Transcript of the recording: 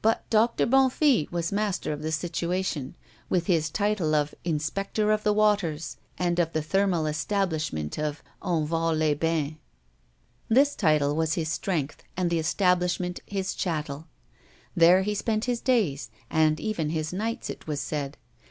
But Doctor Bonnefille was master of the situation, with his title of Inspector of the Waters and of the thermal establishment of Enval les Bains. This title was his strength and the establishment his chattel. There he spent his days, and even his nights, it was said.